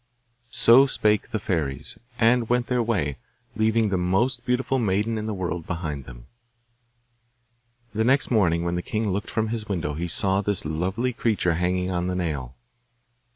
So spake the fairies, and went their way, leaving the most beautiful maiden in the world behind them. The next morning when the king looked from his window he saw this lovely creature hanging on the nail.